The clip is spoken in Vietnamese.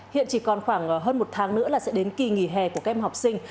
hiện chỉ còn khoảng hơn một tháng nữa là sẽ đến kỳ nghỉ hè của các em học sinh